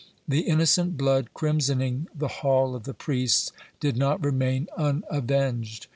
(14) The innocent blood crimsoning the hall of the priests did not remain unavenged.